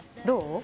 どう？